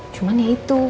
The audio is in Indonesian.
cuman ya itu